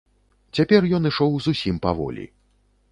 Цяпер ён ішоў зусім паволі.